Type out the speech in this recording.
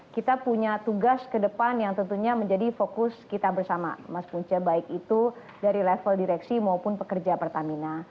kita punya tugas ke depan yang tentunya menjadi fokus kita bersama mas punca baik itu dari level direksi maupun pekerja pertamina